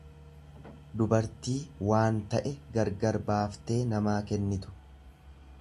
dubartii waan ta'e gargar baaftee namaa kennitu.